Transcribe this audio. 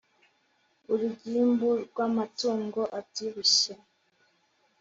’urugimbu rw’amatungo abyibushye,